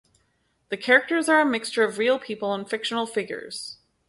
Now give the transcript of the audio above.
The characters are a mixture of real people and fictional figures.